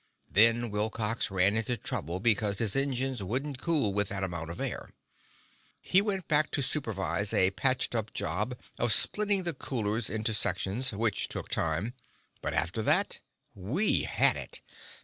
Then Wilcox ran into trouble because his engines wouldn't cool with that amount of air. He went back to supervise a patched up job of splitting the coolers into sections, which took time. But after that, we had it.